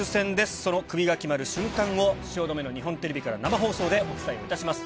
そのクビが決まる瞬間を、汐留の日本テレビから生放送でお伝えをいたします。